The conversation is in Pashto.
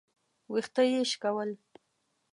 ويښته يې شکول.